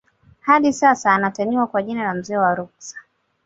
Hadi sasa anataniwa kwa jina la mzee wa Ruksa